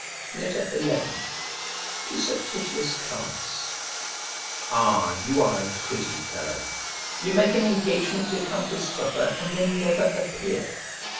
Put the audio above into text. XI To SEPTITIUS CLARUS Ah! you are a pretty fellow! You make an engagement to come to supper and then never appear.